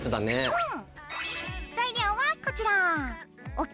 うん。